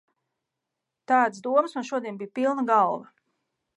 Tādas domas man šodien bija pilna galva.